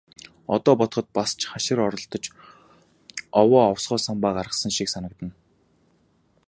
Одоо бодоход бас ч хашир оролдож, овоо овсгоо самбаа гаргасан шиг санагдана.